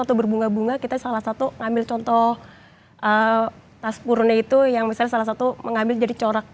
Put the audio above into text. waktu berbunga bunga kita salah satu ngambil contoh tas purunnya itu yang misalnya salah satu mengambil jadi corak